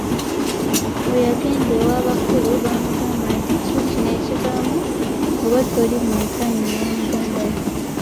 We yagenda ew'abakulu, bamugamba nti, Kye kino ekivaamu w'oba toli mwenkanya ewa muganda wo.